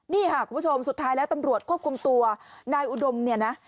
นี่ค่ะคุณผู้ชมสุดท้ายแล้วตำรวจควบคุมตัวนายอุดมเนี่ยนะ